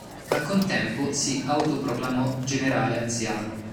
Al contempo si autoproclamò "generale anziano".